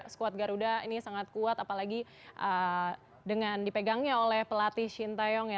squad garuda ini sangat kuat apalagi dengan dipegangnya oleh pelatih shinta yong